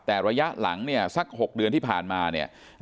แต่ระยะหลังเนี่ยสัก๖เดือนที่ผ่านมาเนี่ย